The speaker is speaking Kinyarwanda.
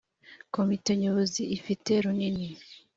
komite nyobozi ifite runini.